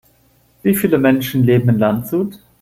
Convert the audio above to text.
Wie viele Menschen leben in Landshut?